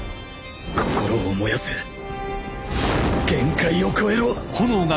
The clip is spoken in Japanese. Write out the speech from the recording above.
心を燃やせ限界を超えろ